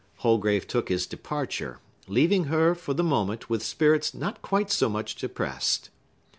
Holgrave took his departure, leaving her, for the moment, with spirits not quite so much depressed.